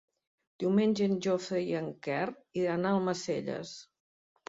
Diumenge en Jofre i en Quer iran a Almacelles.